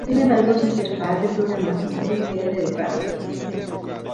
Sin embargo, su interfaz de programación difiere del rand.